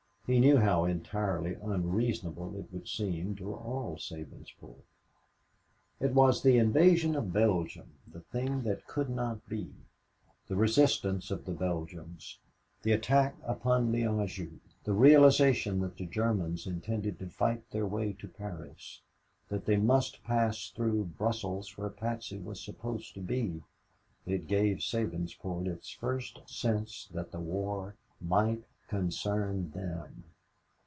He knew how entirely unreasonable it would seem to all Sabinsport. It was the invasion of Belgium the thing that could not be, the resistance of the Belgians, the attack upon Liége, the realization that the Germans intended to fight their way to Paris that they must pass through Brussels where Patsy was supposed to be, that gave Sabinsport its first sense that the war might concern them.